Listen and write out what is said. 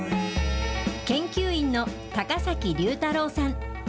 研究員の高崎竜太朗さん。